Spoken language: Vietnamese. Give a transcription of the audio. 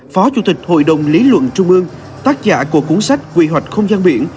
phó chủ tịch hội đồng lý luận trung ương tác giả của cuốn sách quy hoạch không gian biển